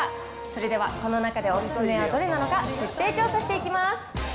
それではこの中でおすすめはどれなのか、徹底調査していきます。